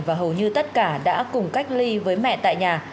và hầu như tất cả đã cùng cách ly với mẹ tại nhà